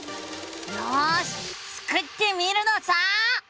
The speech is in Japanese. よしスクってみるのさ！